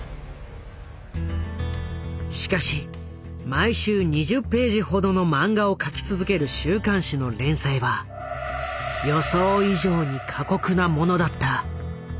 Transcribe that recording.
しかし毎週２０ページほどの漫画を描き続ける週刊誌の連載は予想以上に過酷なものだった。